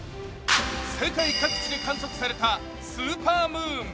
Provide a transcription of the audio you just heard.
世界各地で観測されたスーパームーン。